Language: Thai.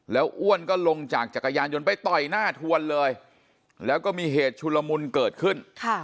แล้วอ้วนก็ลงจากจักรยานยนต์ไปต่อยหน้าทวนเลยแล้วก็มีเหตุชุลมุนเกิดขึ้น